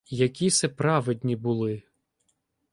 Які се праведні були?